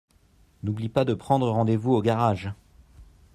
n'oublie pas de predre rendez-vous au garage.